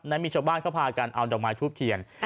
มีชาวบ้านเขาพากันเอาดอกไม้ทูบเทียน